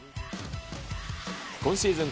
今シーズン